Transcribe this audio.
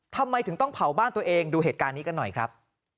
ทำไมถึงต้องเผาบ้านตัวเองดูเหตุการณ์นี้กันหน่อยครับ